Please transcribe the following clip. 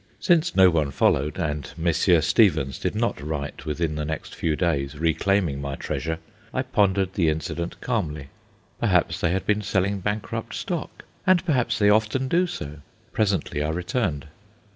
Since no one followed, and Messrs. Stevens did not write within the next few days reclaiming my treasure, I pondered the incident calmly. Perhaps they had been selling bankrupt stock, and perhaps they often do so. Presently I returned.